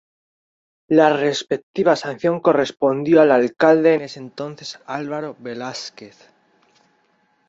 La respectiva sanción correspondió al alcalde en ese entonces Alvaro Velásquez.